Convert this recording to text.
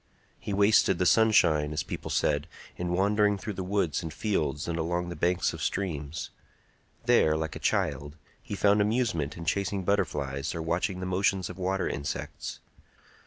He wasted the sunshine, as people said, in wandering through the woods and fields and along the banks of streams. There, like a child, he found amusement in chasing butterflies or watching the motions of water insects.